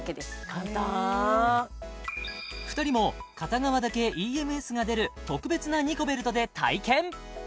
簡単へえ２人も片側だけＥＭＳが出る特別なニコベルトで体験